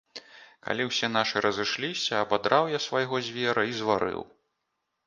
Калі ўсе нашы разышліся, абадраў я свайго звера і зварыў.